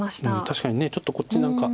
確かにちょっとこっちなんか。